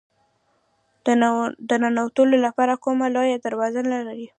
د ننوتلو لپاره کومه لویه دروازه نه لري.